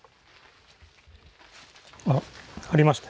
あっありました。